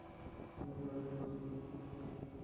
ওখান থেকে notice board খুলে ছুড়ে ফেলে দিবো।